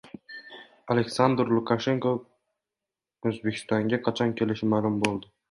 Aleksandr Lukashenko O‘zbekistonga qachon kelishi ma’lum bo‘ldi